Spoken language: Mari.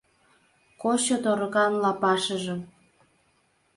Кочо торыкан лапашыжым